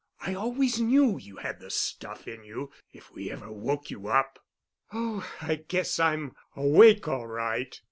I always knew you had the stuff in you if we ever woke you up." "Oh, I guess I'm awake all right.